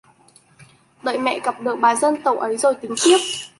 Đợi mẹ gặp được bà dân tộc ấy rồi tính tiếp